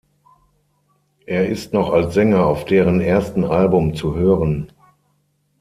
Er ist noch als Sänger auf deren erstem Album zu hören.